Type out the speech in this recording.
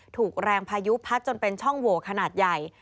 ถูกแรงพายุพัดจนเป็นช่องโหวขนาดใหญ่